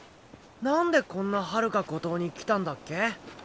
何でこんなはるか孤島に来たんだっけ？